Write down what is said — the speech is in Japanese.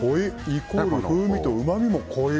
イコール風味とうまみも濃い。